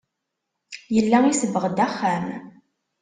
Yella isebbeɣ-d axxam.